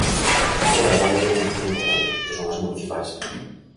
Agora vai haber unha cita importante, que son as municipais.